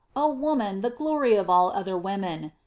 Oh woman, the glory of all other women